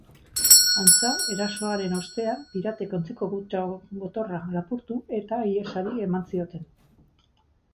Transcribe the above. Antza, erasoaren ostean piratek ontziko kutxa gotorra lapurtu eta ihesari eman zioten.